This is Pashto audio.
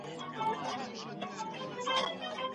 باور په ځان باندي یو ځواک دی.